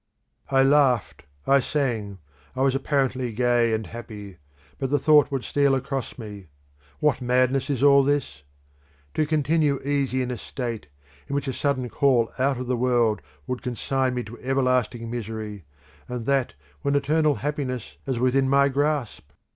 "I laughed, I sang, I was apparently gay and happy, but the thought would steal across me, What madness is all this: to continue easy in a state in which a sudden call out of the world would consign me to everlasting misery, and that when eternal happiness is within my grasp?"